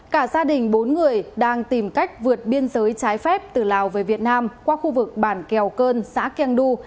cả gia đình bốn người đang tìm cách vượt biên giới trái phép từ lào về việt nam qua khu vực bản kèo cơn xã keng du